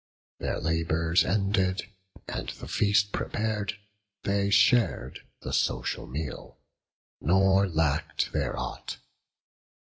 Their labours ended, and the feast prepar'd, They shared the social meal, nor lacked there aught.